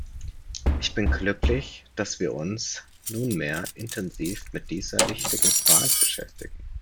Ich bin glücklich, dass wir uns nunmehr intensiv mit dieser wichtigen Frage beschäftigen.